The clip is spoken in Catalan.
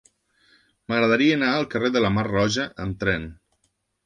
M'agradaria anar al carrer de la Mar Roja amb tren.